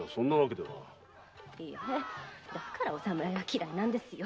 だからお侍は嫌いなんですよ